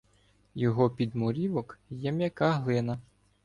Його підмурівок є м'яка глина.